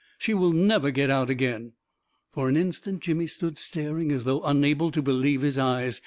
" She will never get out again !" For an instant Jimmy stood staring as though un able to believe his eyes.